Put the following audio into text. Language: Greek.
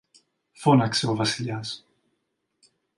φώναξε ο Βασιλιάς.